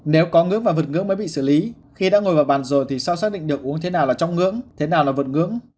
nếu có ngưỡng và vượt ngưỡng mới bị xử lý khi đã ngồi vào bàn rồi thì sao xác định được uống thế nào là trong ngưỡng thế nào là vượt ngưỡng